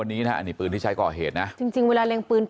อันนี้คำต่ออ้างของผู้ก่อเหตุนะครับทุกผู้ชมครับ